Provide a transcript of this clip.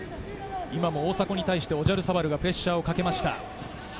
大迫に対してオジャルサバルがプレッシャーをかけました。